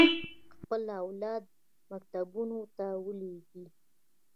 خپل اولاد مکتبونو ته ولېږي.